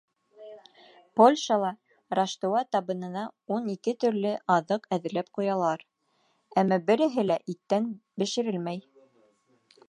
- Польшала Раштыуа табынына ун ике төрлө аҙыҡ әҙерләп ҡуялар, әммә береһе лә иттән бешерелмәй.